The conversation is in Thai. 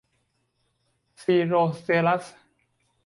ซีร์โรสเตรตัส